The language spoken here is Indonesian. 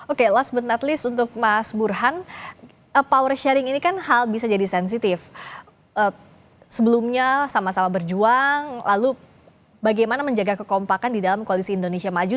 oke last but not least untuk mas burhan power sharing ini kan hal bisa jadi sensitif sebelumnya sama sama berjuang lalu bagaimana menjaga kekompakan di dalam koalisi indonesia maju